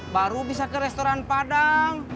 baru bisa ke restoran padang